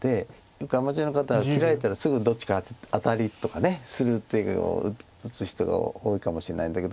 よくアマチュアの方は切られたらすぐどっちかアタリとかする手を打つ人が多いかもしれないんだけど。